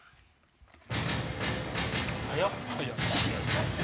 早っ！